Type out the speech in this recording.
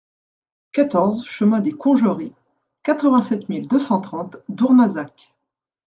quatorze chemin des Congeries, quatre-vingt-sept mille deux cent trente Dournazac